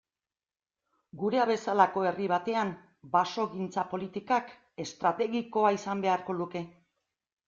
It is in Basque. Geurea bezalako herri batean basogintza politikak estrategikoa izan beharko luke.